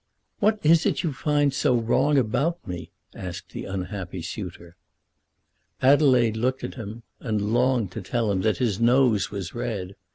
"What is it that you find so wrong about me?" asked the unhappy suitor. Adelaide looked at him, and longed to tell him that his nose was red.